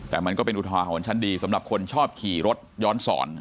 แต่มันก็เป็นอุทาหรณ์ชั้นดีสำหรับคนชอบขี่รถย้อนสอน